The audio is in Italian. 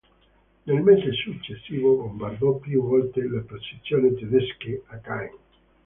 Nel mese successivo bombardò più volte le posizioni tedesche a Caen.